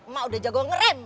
mak udah jago ngeram